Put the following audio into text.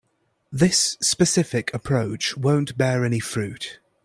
This specific approach won't bear any fruit.